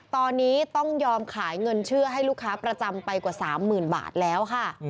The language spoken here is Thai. ตอนนี้ต้องยอมขายเงินเชื่อให้ลูกค้าประจำไปกว่า๓๐๐๐บาทแล้วค่ะ